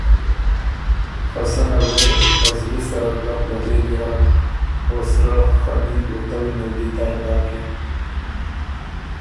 خه سنه وې په زلی سره ګپ لګېک ګېرډ او سرۀ خني بړُتوی ن ال دی تر داکِن